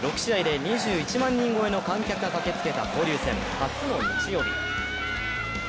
６試合で２１万人超えの観客が駆けつけた交流戦、初の日曜日。